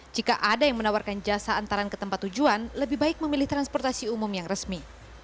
jika ada yang menawarkan jasa antaran ke tempat tujuan lebih baik memilih transportasi umum yang resmi